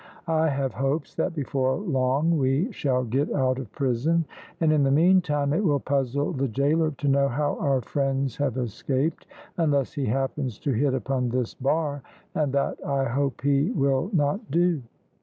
I have hopes that before long we shall get out of prison, and in the meantime it will puzzle the gaoler to know how our friends have escaped, unless he happens to hit upon this bar, and that I hope he will not do."